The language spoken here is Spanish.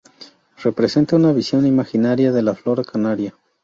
Representa una visión imaginaria de la flora canaria.